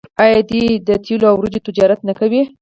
آیا دوی د تیلو او وریجو تجارت نه کوي؟